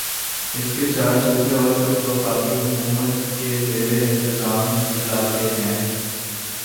اس کے چار صوبے اور کچھ وفاقی حکومت کے زیر انتظام علاقے ہیں